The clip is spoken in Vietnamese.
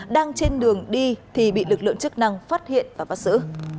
đang trên đường đi thì bị lực lượng chức năng phát hiện và bắt giữ